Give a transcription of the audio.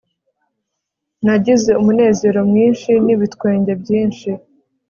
nagize umunezero mwinshi n ibitwenge byinshi